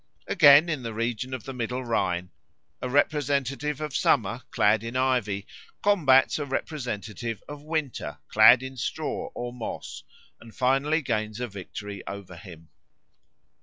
Again, in the region of the middle Rhine, a representative of Summer clad in ivy combats a representative of Winter clad in straw or moss and finally gains a victory over him.